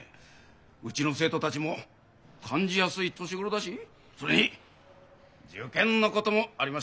うちの生徒たちも感じやすい年頃だしそれに受験のこともありますしね。